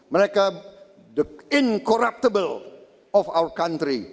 mereka adalah yang tidak bisa dikorupsi di negara kita